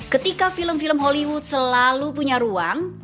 ketika film film hollywood selalu punya ruang